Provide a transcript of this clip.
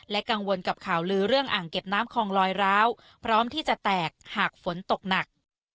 กังวลกับข่าวลือเรื่องอ่างเก็บน้ำคลองลอยร้าวพร้อมที่จะแตกหากฝนตกหนัก